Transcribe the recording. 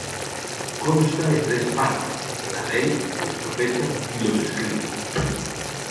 Consta de tres partes: La Ley, Los Profetas y los Escritos.